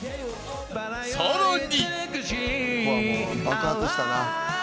［さらに］